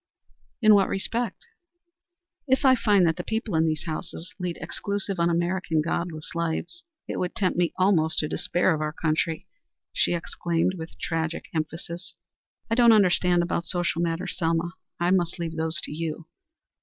"In what respect?" "If I find that the people in these houses lead exclusive, un American, godless lives. It would tempt me almost to despair of our country," she exclaimed, with tragic emphasis. "I don't understand about social matters, Selma. I must leave those to you.